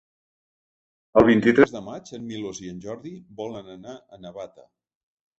El vint-i-tres de maig en Milos i en Jordi volen anar a Navata.